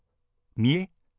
みえ？